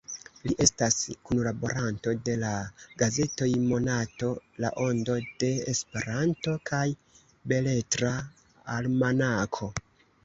Li estas kunlaboranto de la gazetoj Monato, La Ondo de Esperanto kaj Beletra Almanako.